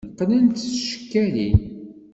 Qqnen-t s tcekkalin.